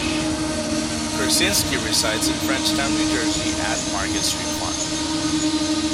Kursinski resides in Frenchtown, New Jersey at Market Street Farm.